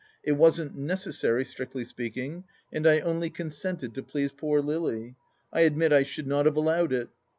" It wasn't necessary, strictly speaking, and I only consented to please poor Lily. I admit I should not have allowed it.